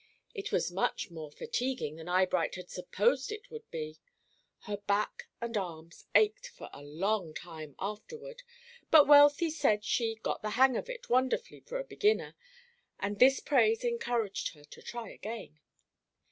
It was much more fatiguing than Eyebright had supposed it would be. Her back and arms ached for a long time afterward, but Wealthy said she "got the hang of it wonderfully for a beginner," and this praise encouraged her to try again.